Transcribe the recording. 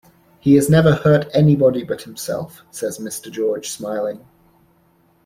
"He has never hurt anybody but himself," says Mr. George, smiling.